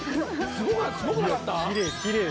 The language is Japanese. すごい！